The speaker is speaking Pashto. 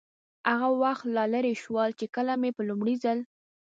هغه وخت لا لرې شول، چې کله مې په لومړي ځل.